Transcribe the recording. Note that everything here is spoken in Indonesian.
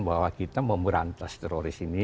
bahwa kita memberantas teroris ini